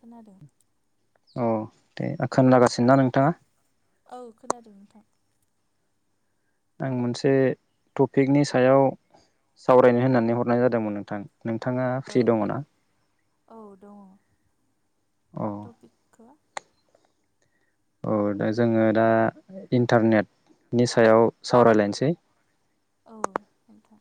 खोनादों। औ दे खोनालागासिनोना नोंथाङा? औ खोनादों नोंथां आं मोनसे टपिकनि सायाव सावरायनो होननानै हरनाय जादोंमोन नोंथां नोंथाङा औ फ्रि दङ ना औ दङ औ टपिकखौ औ दा जोङो दा इन्टारनेट नि सायाव सावरायलायनोसै औ हमथ'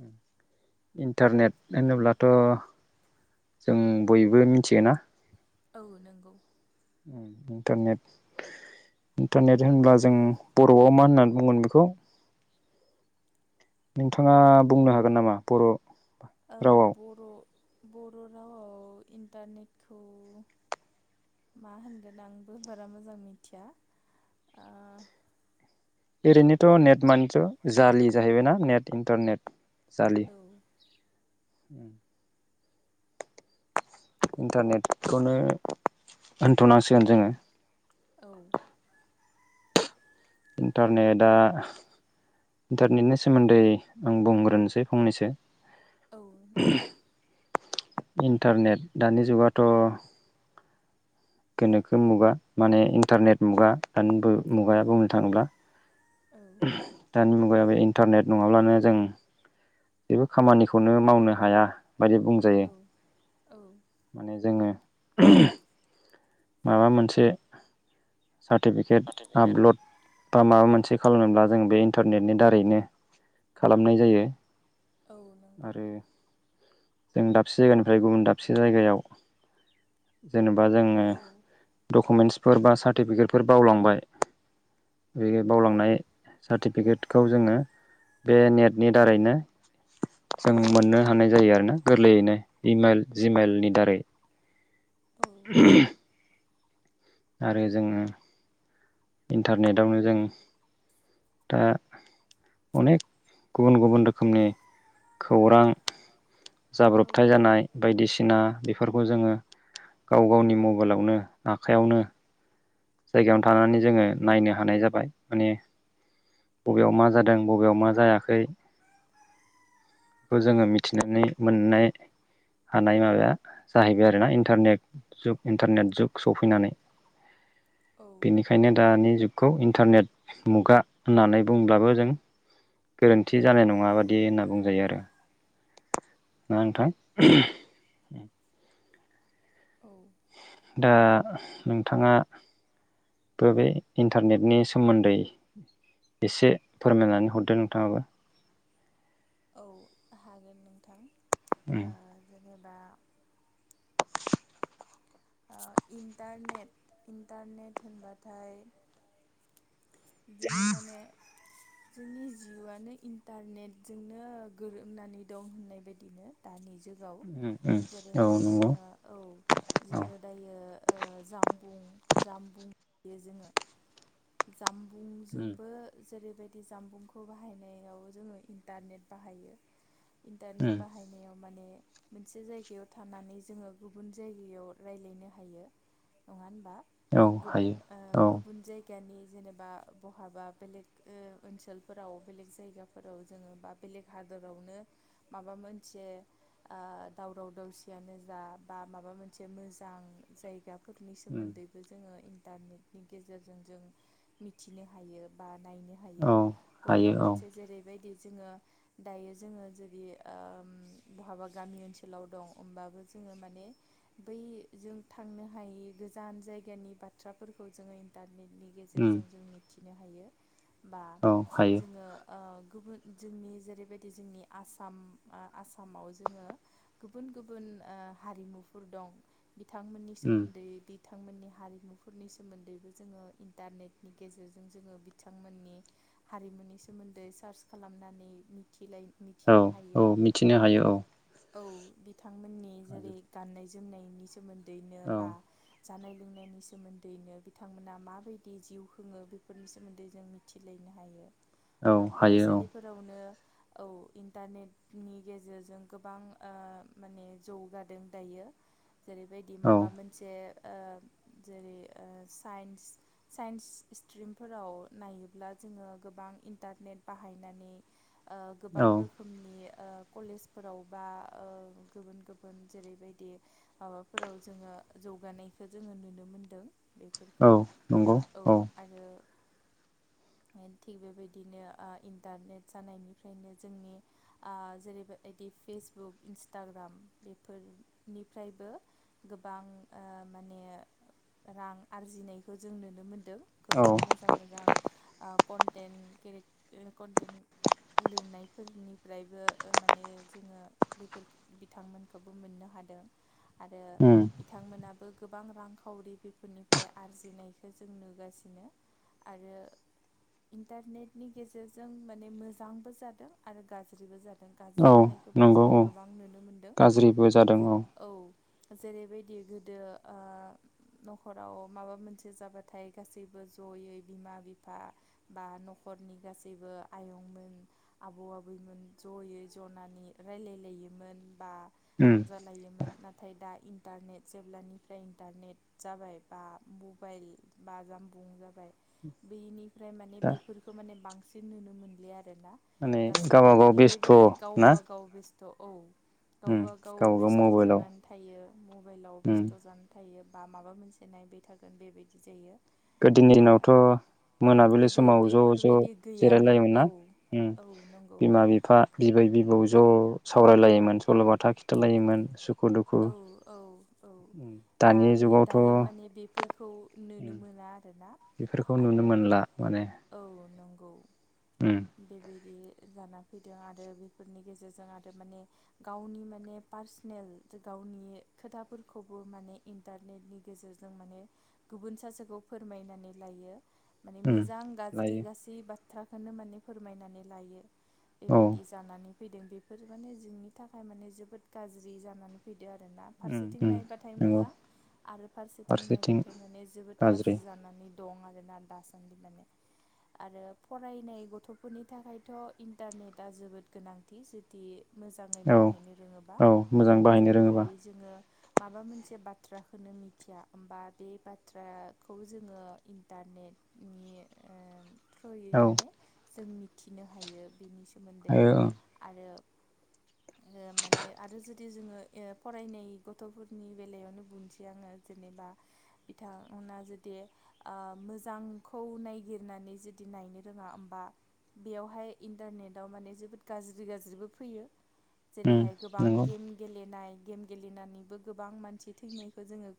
ओम इन्टारनेट होनोब्लाथ' जों बयबो मिथियोना? औ नंगौ। उम इन्टारनेट इन्टारनेट होनब्ला जों बर'आव मा होननानै बुंगोन बेखौ नोंथाङा बुंनो हागोन नामा बर' औ रावाव बर' बर' रावआव इन्टारनेटखौ मा होनगोन आंबो बारा मोजां मिथिया ओ ओरैनोथ' नेट मानिथ' जालि जाहैबायना नेट इन्टारनेट जालि ओ उम। इन्टारनेटखौनो होनथ'नांसिगोन जोङो। औ। इन्टारनेटआ इन्टारनेटनि सोमोन्दै आं बुंग्रोनोसै फंनैसो औ दा इन्टारनेट दानि जुगाथ' गोनोखो मुगा माने इन्टारनेट मुगा दानि औ मुगाया बुंनो थाङोब्ला औ ओहोम दानि मुगा बे इन्टारनेट नङाब्लानो जों जेबो खामानिखौनो मावनो हाया। बायदि बुंजायो औ औ माने जोङो [unintelligible] माबा मोनसे सार्टिफिकेट सार्टिफिकेट आपल'ड बा माबा मोनसे खालामनोब्ला जों बे इन्टारनेटनि दारैनो खालामनाय जायो औ नंगौ आरो जों दाबसे जायगानिफ्राय गुबुन दाबसे जायगायाव जेनेबा बा जोंङो औ दुकुमेनस सारटिफके बावलांबाय। बे औ बावलांनाय सार्टिफिकेटखौ जोंङो बे नेटनि दारैनो जों मोननो हानाय जायो आरोना। गोरलैयैनो इमल जिमलनि दारै। औ आरो जोंङो इन्टारनेटआवनो जों दा अनेक गुबुन गुबुन रोखोमनि खौरां औ जाब्रबथाय जानाय बायदिसिना बेफोरखौ जोंङो गाव गावनि मबाइलावनो आखाइयावनो जायगायावनो थानानै जोंङो नायनो हानाय जाबाय माने बबेयाव मा जादों बबेयाव मा जायाखै बेखौ जोंङो मिथिनानै मोननाय हानाय माबाया जाहैबाय आरोना इन्टारनेट जु इन्टारनेट जुग सफैनानै [inaudible] बेनिखायनो दानि जुगखौ इन्टारनेट मुगा होननानै बुंब्लाबो जों गोरोन्थि जानाय नंङा बादि होनना बुंजायो आरो ना नोंथा औ दा नोंथाङा बबे इन्टारनेटनि सोमोन्दै एसे फोरमायनानै हरदो नोंथाङाबो औ हागोन नोंथां उम जेबा इन्टारनेट इन्टारनेट होनबाथाय जोंङो माने जोंनि जिउआनो इन्टारनेटजोंनो गोरोबनानै दं होननाय बायदिनो दानि जुगाव उम उम औ जेरैहाय नंगौ जोंङो औ औ जोंङो दायो जामबुं जामबुं जोंङो उम जामबुंजोंबो जेरै बेबायदि जामबुंखौ बाहायनायाव जोंङो इन्टारनेट बाहायो इन्टारनेट औ बाहायनायाव माने मोनसे जायगायाव थानानै जोंङो गुबुन जायगायाव राय्लायनो हायो नङा गुबुन हायो ओ औ गुबुन जायगानि जेनेबा बहाबा बेलेग ओनसोलफोराव बेलेग जायगाफोराव जोंङो बा बेलेग हाद हादरावनो माबा मोनसे दावराव दावसियानो जा बा माबा मोनसे मोनसे मोजां जायगा फोरनि उम सोमोन्दैबो जोंङो इन्टारनेटनि गेजेरजों जों मिथिनो हायो बा नायनो औ हायो हायो बबेबा औ मोनसे जेरैबायदि जोंङो दायो जोंङो जुदि बहाबा गामि ओनसोलाव दं होमबाबो जों जों माने बै जों थांनो हायि गोजान जायगानि बाथ्राफोरखौ जोंङो इटारनेटनि उम गेजेरजों जों मिथिनो हायो बा औ हायो जोंङो ओ गुबुन जोंनि जेरैबायदि जोंनि आसाम आसामाव जोंङो गुबुन गुबुन गुबुन हारिमुफोर दं बिथांमोननि उम सोमोन्दै बिथांमोननि हारिमुफोरनि सोमोन्दैबो जोंङो इन्टारनेटनि गेजेरजों जोंङो बिथांमोननि हारिमुनि सोमोन्दै सार्च खालामनानै मिथिलायो औ औ मिथिनो हायो औ औ बिथांमोननि जेरै गाननाय जोमनायनि सोमोन्दैनो औ बा जानाय लोंनायनि सोमोन्दैनो बिथांमोना माबायदि जिउ खुङो बेफोरनि सोमोन्दै जों मिथिलायनो हायो औ बा हायो फरायसालिफोरावनो औ इन्टारनेट नि गेजेरजों गोबां ओ माने जौगादों दायो जेरैबायदि औ माबा मोनसे ओ जेरै साइन्स साइन्स स्ट्रिमफोराव नायोब्ला जोङो गोबां इन्टारनेट बाहायनानै ओ गोबां औ रोखोमनि ओ कलेजफोराव बा गुबुन गुबुन जेरैबायदि माबाफोराव जोङो जौगानायखौ जोङो नुनो मोनदों बेफोरखौ औ नंगौ औ [unintelligible] थिग बेबायदिनो ओ इन्टारनेट जानायनिफ्रायनो जोंनि ओ जेरैबायबायदि फेसबुक इन्सटाग्राम बेफोरनिफ्रायबो गोबां ओ माने रां आरजिनायखौ जों नुनो मोन्दों औ गोबां मोजां मोजां ओ कन्टेन्ट केरेट कन्टेन्ट लिरनायफोरनिफ्रायबो माने जोङो बेफोर बिथांमोनखौबो मोननो हादों। आरो उम बिथांमोनाबो गोबां रांखावरि बेफोरनिफ्राय आरजिनाय खौ जों नुगासिनो आरो इन्टारनेटनि गेजेरजों माने मोजांबो जादों आरो गाज्रिबो जादों। गाज्रि औ जानायखौबो नंगौ जोङो औ गोबां नुनो मोनदों गाज्रिबो जादों जेरै औ जेरैबायदि गोदो ओ न'खराव माबा मोनसे जाबाथाय गासैबो ज'यै बिमा बिफा बा न'खरनि गासैबो आयं आबौआ आबैमोन ज'यै जनानै रायलायलायोमोन बा उम नाथाय दा इटारने जेब्लानिफ्राय इन्टारनेट जाबाय बा मबाइल ब जामबुं जाबाय बेनिफ्राय माने दा बेफोरखौ माने बांसिन बांसिन नुनो मोनलि आरोना माने गासैबो गावबागाव माने बेस्थ' बेबायदि ना गावबा गाव बेस्थ' औ उम गावबा गाव गावबागाव बेस्थ' मबाइलाव जानानै थायो मबाइलाव उम बेस्थ' जानानै थायो। बा माबा मोनसे नायबाय थागोन बेबायदि जायो। गोदोनि आ दिनावथ' मोनाबिलि गोदो समाव ज' ज' बेफोरबायदि गैयामोन जिरायलायोमोना औ ओ औ नंगौ बिमा बिफा बिबै बिबौ ज' औ सावरायलायोमोन सल'बाथा खिथालायोमोन सुख औ औ दा दानि जुगावथ' दायो माने बेफोरखौ नुनो मोना मोनला बेफोरखौ नुनो आरो मोनला माने औ नंगौ उम बेबायदि जाना फैदों आरो बेफोरनि गेजेरजों आरो माने गावनि माने पार्सेनेल गाव गावनि खोथाफोरखौबो माने इन्टारनेटनि गेजेरजों माने गुबुन सासेखौ फोरमायनानै लायो माने उम मोजां गाज्रि लायो गासै बाथ्राखौनो माने फोरमायनानै लायो। औ बेबायदि जानानै फैदों बेफोर माने जोंनि थाखाय माने जोबोद गाज्रि जानानै फैदों। बिदि आरोना उम फारसेथिं उम नायबाथाय नंगौ मोजां आरो फारसेथिं नायबाथाय माने जोबोद गाज्रि जानानै दं आरोना दासान्दि माने आरो फरायनाय गथ'फोरनि थाखायथ' इन्टारनेटआ जोबोद गोनांथि जुदि मोजाङै औ बाहायनो रोङोबा औ मोजां बाहायनो रोङोबा जेरैहाय जोङो माबा मोनसे बा थ्राखौनो मिथिया होमबा बे बाथ्राखौ जोङो इन्टारनेटनि ओ थ्रयै औ माने जों मिथिनो हायो बेनि सोमोन्दै हायो औ आरो माने आरो जुदि जोङो फरायनाय गथ'फोरनि बेलायावनो बुंनोसै आङो जेनेबा बिथांमोना जुदि ओ मोजांखौ नाय गिरनानै जुदि नायनो रोङा होमबा बेयावहाय इन्टारनेटाव माने जोबोद गाज्रि गाज्रिबो फैयो उम जेरैहाय गोबां नंगौ गेम गेलेनाय गेम गेलेनानैबो गोबां मानसि थैनायखौ जोङो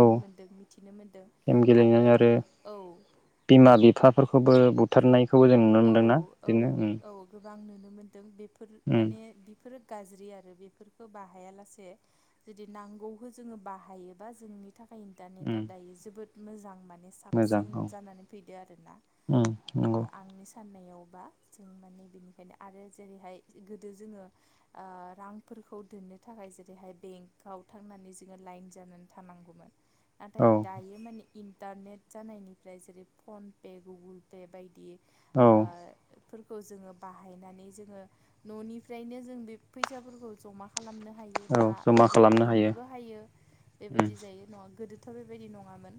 औ मोन्दों मिथिनो मोनदों गेम आरो गेलेनाय औ। बिमा बिफाफोरखौबो बुथारनायखौबो जों नुनो मोन्दों ना? बिदिनो ओम आं नुनो मोनदों बेफोर माने बेफोरो गाज्रि आरो बेफोरखौ बाहाया लासे जुदि नांगौखौ जोङो बाहायोबा जोंनि थाखाय उम इन्टारनेटआ दायो जोबोद मोजां माने मोजां साबसिन औ जानानै फैदो आरोना। उम नंगौ आंनि साननायावबा जों माने बेनिखायनो आरो जेरैहाय गोदो जोङो आह रांफोर फोरखौ दोननो थाखाय जेरैहाय बेंकआव थांनानै जोङो लाइन जानानै थानांगौमोन। नाथाय औ दायो माने इन्टारनेट जानायनिफ्राय जेरै फन पे गुगोल पे बायदि औ आ फोरखौ जोङो बाहायनानै जोङो न'निफ्रायनो जों बे फैसाफोरखौ जमा खालामनो हायो औ बा जमा खालामनो दिहुननोबो हायो उम बेबायदि जायो न' गोदो थ' बेबायदि नङामोन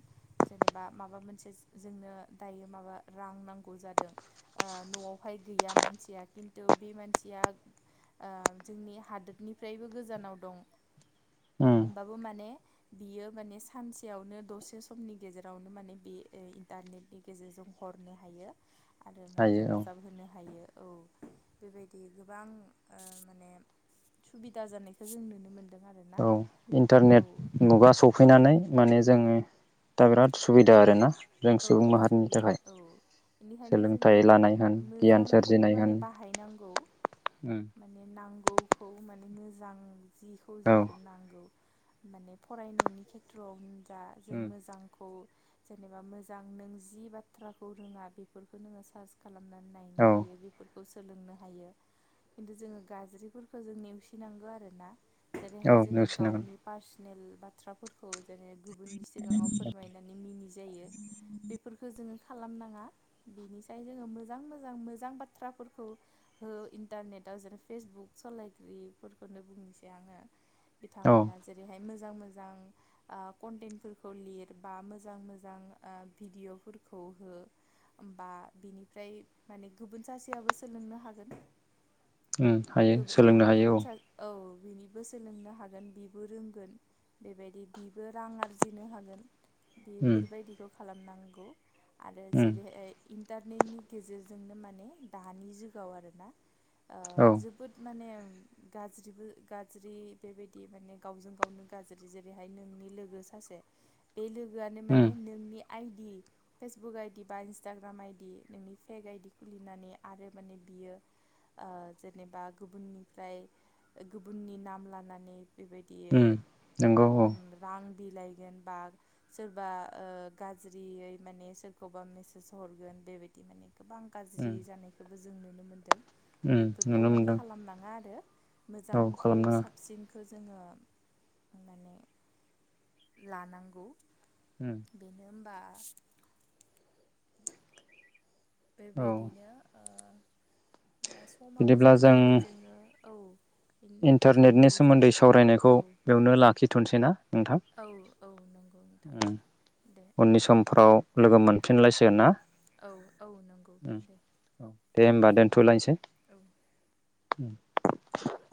जेनेबा माबा मोनसे जोंनो दायो माबा रां नां गौ जादों ओ न'आवहाय गैया मानसिया खिन्थु बे मानसिया ओ जोंनि हादोरनिफ्रायबो गोजानाव दं उम ओमबाबो माने बियो माने सानसेयावनो दसे समनि गेजेरावनो माने बे ओइ इन्टारनेटनि गेजेरजों हरनो हायो। आरो माने हायो औ हेफाजाब होनो हायो। औ बेबायदि गोबां ओ माने सुबिदा जानायखौ जों नुनो मोन औ इन्टारनेट मुगा सफैनानै माने जोंनि दा बिराद सुबुबिदा आरो ना? औ सुबिदा औ बेनिखायनो जोङो सोलोंथाइ माने लानाय होन गियान मोजांखौ सोरजिनाय माने होन बाहाय नांगौ उम माने नांगौखौ मा मोजां जिखौ औ जोंखौ नांगौ माने फरायनायनि खेथ्र'आव [unintelligible] जों उम मोजांखौ जेनेबा मो जां नों जि बाथ्राखौ रोङा बेफोरखो नोङो सार्च खालामनानै नायनो औ हायो बेफोर खौ सोलोंनो हायो। खिन्थु जोङो गाज्रिफोरखो जों नेवसिनांगो आरो ना। औ जेरैहाय जोङो नेवसिनो हागोन गावनि पार्सनेल बाथ्राफोरख' जेरै गुबुननि सिगाङाव फोरमायनानै मिनि जायो। बेफोरखो जोङो खालानाङा। बिनिसाय जोङो मोजां मोजां मोजां बाथ्राफोरखौ ओ इन्टार नेटाव जेरै फेसबुक सलायगिरिफोरखौनो बुंनोसै आङो। औ बिथांमोना जेरैहाय मो जां मोजां आ कन्टेन्टफोरखो लिरबा मोजां मोजां आ भिडिअ'फोरखौ हो। होमबा बिनिफ्राय माने गोबोन सासेयाबो सोलोंनो हागोन। ओम हायो गोबो ओ सोलोंनो हायो गुबुन औ। सा औ बिनिबो सोलोंनो हागोन बिबो रोंगोन बेबायदि बिबो रां आरजिनो हागोन। उम बेफोरबायदिखौ खालामनांगौ आरो उम जेरैहाय इन्टारनेटनि गेजेरजोंनो माने दानि जुगाव आरो ना। आ औ जोबोद माने गाज्रिबो गाज्रि बेबायदि माने गावजों गावनो गाज्रि जेरैहाय नोंनि लोगो सासे बे लोगोआनो उम माने नोंनि आइदि फेसबुक आइदि बा इन्सटाग्राम आइदि नोंनि फेक आइदि खुलिनानै आरो माने बियो ओ जेनेबा गुबुननिफ्राय गुबुननि नाम लानानै बेबायदि उम नंगौ औ उम रां बिलाइगोन बा सोरबा ओ गाज्रियै माने सोरखौबा मेसेज हरगोन बेबायदि माने गोबां गाज्रि उम जानायखौ जों नुनो मोनदों। उम बेफोरखौ नुनो माने मोनदों खालाम नाङा आरो औ मोजांखौ खालामनाङा साबसिन खौ जोङो माने लानांगौ। होम। बेनो होमबा औ बेबायदिनो ओ बा समाबो बिदिब्ला जों जाबाय जोङो औ इन्टारनेटनि दिनै जेरै सोमोन्दै सावरायनायखौ औ बेवनो लाखिथ'निसै ना। नोंथां औ औ नंगौ नोंथां उम दे। उननि समफ्राव लोगो मोनफिनलायसिगोन ना। औ औ नंगौ उम दे। औ दे होमबा दोनथ'लायनिसै। औ। [unintelligible]